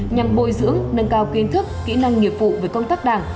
nhằm bồi dưỡng nâng cao kiến thức kỹ năng nghiệp vụ về công tác đảng